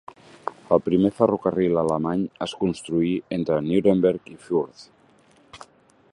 El primer ferrocarril alemany es construí entre Nuremberg i Fürth.